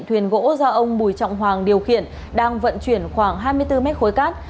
thuyền gỗ do ông bùi trọng hoàng điều khiển đang vận chuyển khoảng hai mươi bốn mét khối cát